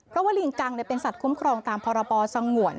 เพราะว่าลิงกังเป็นสัตว์คุ้มครองตามพรบสงวน